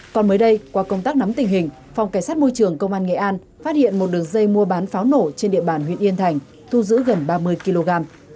còn mới đây qua công tác nắm tình hình phòng cảnh sát môi trường công an nghệ an phát hiện một đường dây mua bán pháo nổ trên địa bàn huyện yên thành thu giữ gần ba mươi kg